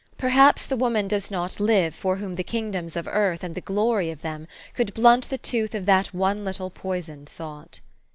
Perhaps the woman does not live for whpm the kingdoms of earth and the glory of them could blunt the tooth of that one little poisoned thought.